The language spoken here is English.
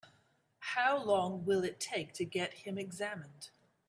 How long will it take to get him examined?